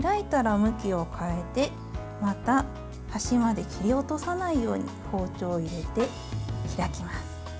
開いたら、向きを変えてまた端まで切り落とさないように包丁を入れて開きます。